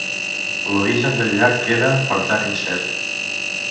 L'origen del llac queda, per tant, incert.